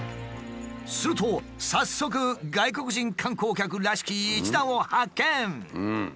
すると早速外国人観光客らしき一団を発見。